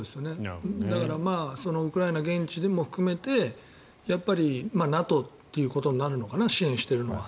だからウクライナ現地も含めてやっぱりＮＡＴＯっていうことになるのかな、支援しているのは。